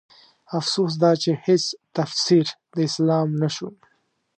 افسوس دا چې هيڅ تفسير د اسلام نه شوم